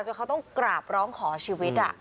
เขาต้องกราบร้องขอชีวิต